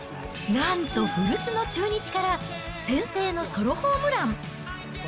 なんと古巣の中日から先制のソロホームラン。